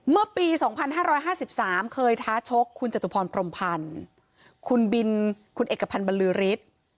เมื่อปี๒๕๕๓เคยท้าชกคุณจตุพรพรมพันธ์คุณบินคุณเอกพันธ์บรรลือฤทธิ์